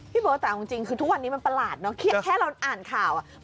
เบิร์ตแต่เอาจริงคือทุกวันนี้มันประหลาดเนอะแค่เราอ่านข่าวอ่ะ